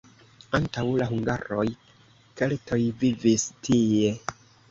Antaŭ la hungaroj keltoj vivis tie.